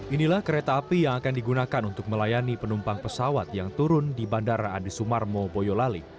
inilah kereta api yang akan digunakan untuk melayani penumpang pesawat yang turun di bandara adi sumarmo boyolali